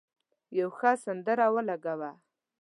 یو ښه سندره ولګوه.